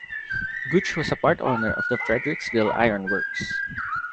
Gooch was a part owner of the Fredericksville Ironworks.